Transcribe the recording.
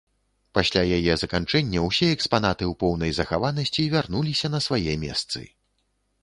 Пасля яе заканчэння ўсе экспанаты ў поўнай захаванасці вярнуліся на свае месцы.